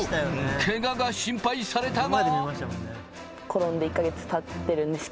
ケガが心配されたが。